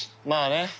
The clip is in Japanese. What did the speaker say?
まあね。